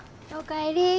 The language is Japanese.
お帰り。